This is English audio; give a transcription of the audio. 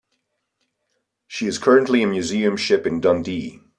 She is currently a museum ship in Dundee.